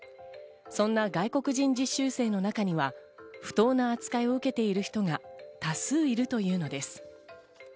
そんな外国人実習生の中には不当な扱いを受けている人が多数いるというのです。